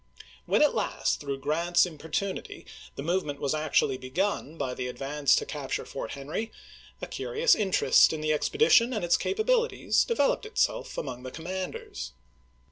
When at last, through Grant's importunity, the movement was actually begun by the advance to capture Fort Henry, a cm'ious interest in the expe dition and its capabilities developed itself among the commanders.